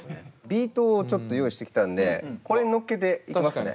ビートをちょっと用意してきたんでこれに乗っけていきますね。